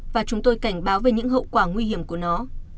và chúng tôi cảnh báo về những hậu quả nguy hiểm của nó